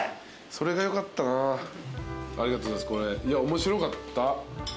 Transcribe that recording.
面白かった。